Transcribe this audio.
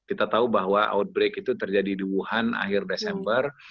kita tahu bahwa outbreak itu terjadi di wuhan akhir desember